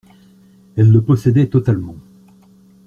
Elles le possédaient totalement.